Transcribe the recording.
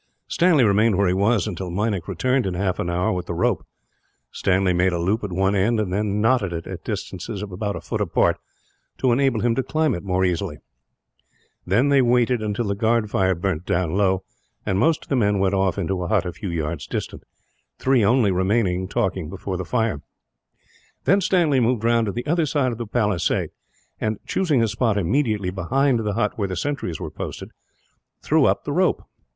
Stanley remained where he was until Meinik returned, in half an hour, with the rope. Stanley made a loop at one end; and then knotted it, at distances of about a foot apart, to enable him to climb it more easily. Then they waited until the guard fire burnt down low, and most of the men went off into a hut a few yards distant, three only remaining talking before the fire. Then Stanley moved round to the other side of the palisade and, choosing a spot immediately behind the hut where the sentries were posted, threw up the rope.